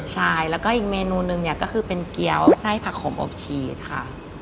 ใช่แล้วก็อีกเมนูหนึ่งเนี่ยก็คือเป็นเกี้ยวไส้ผักขมอบชีสค่ะ